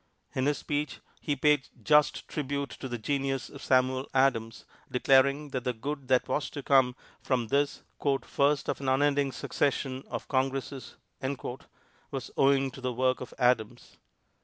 In his speech he paid just tribute to the genius of Samuel Adams, declaring that the good that was to come from this "first of an unending succession of Congresses" was owing to the work of Adams.